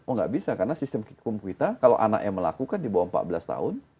oh nggak bisa karena sistem hukum kita kalau anak yang melakukan di bawah empat belas tahun